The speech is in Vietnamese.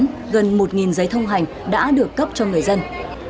trong thời gian ngắn gần một giấy thông hành đã được cấp cho người dân